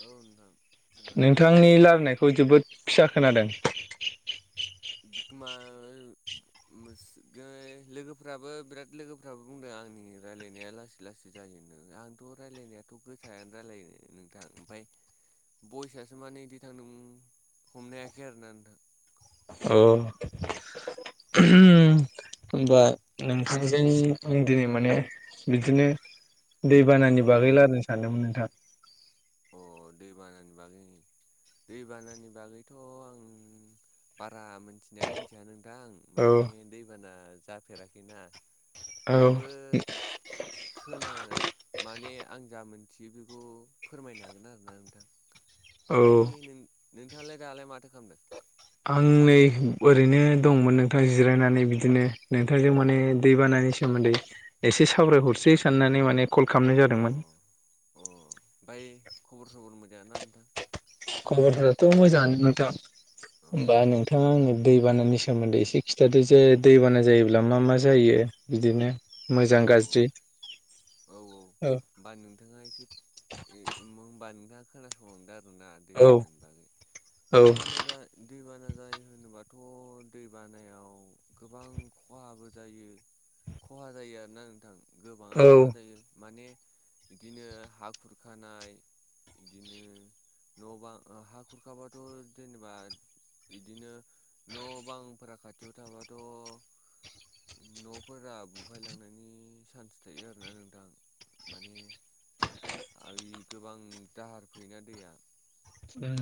औ नोंथां खोनादों नोंथांनि लारनायखौ जोबोद फिसा खोनादों। बिकम [unintelligible] लोगोफोराबो बिराद लोगोफ्राबो बुंदों आंनि रायलायनाया लासै लासै जायो नो। आंथ' रायलायनायाथ' गोसायानो रायलायो नोंथां ओमफाय बयस्सासो माने बिदि थांदों हमनो हायाखै आरोना नोंथां। अ होमबा नोंथांजों आं दिनै माने बिदिनो औ दैबानानि बागै रायलायनो सानदोंमोन नोंथां। अ दै बानानि बागै दैबानानि बागैथ' आं बारा मोनथिनाया मोनथिया नोंथां। नोंथां औ माने दैबाना जाफेराखैना। औ होनबाबो खोनानो माने आं जा मोनथियो बेखौ फोरमायनो हागोन आरोना नोंथां, औ ओमफाय नों नोंथाङालाय दालाय माथो खालामदों? आं नै ओरैनो दंमोन नोंथां जिरायनानै बिदिनो नोंथांजों माने दै बाना नि सोमोन्दै एसे सावरायहरसै साननानै माने कल खालामनाय जादोंमोन। ओमफाय खबर सबर मोजांना नोंथां? खबराथ' मोजाङानो नोंथां। अ होमबा नोंथाङा आंनो दैबानानि सोमोन्दै एसे खिथादो जे दैबाना जायोब्ला मा मा जायो। बिदिनो मोजां औ गाज्रि औ औ होमबा नोंथाङा एसे होनबा नोंथाङा खोनासंलांदो आरो। ना औ दैबानानि बागै औ दैबाना जा दैबाना जाय होनोबाथ' दै बानायाव गोबां खहाबो जायो। खहा जायो आरो ना नोंथां औ गोबाङानो। खहा जायो माने बिदिनो हा खुरखानाय, बिदिनो न' बां हा खुरखाबाथ' जेनेबा बिदिनो न' बांफोरा खाथियाव थाबाथ' न'फोरा बुफायलांनायनि सान्स थायोआरो। ना नोंथां माने? आइयि गोबां दाहार फैयोना दैया उम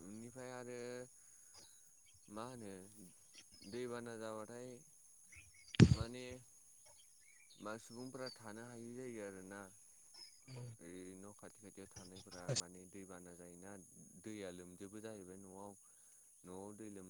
बेनिफ्राय आरो मा होनो दैबाना जाबाथाय माने मा सुबुंफोरा थानो हायि जायो आरोना। ओइ [inaudible] न' खाथि खाथियाव थानायफोरा माने दैबाना जायोना दैया लोमजोबो जाहैबाय न'आव। न'आव दै लोम